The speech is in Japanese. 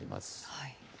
はい。